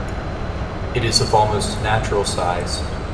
It is of almost natural size.